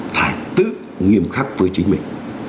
phải tự nghiêm khắc với chính mình